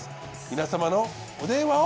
皆様のお電話を。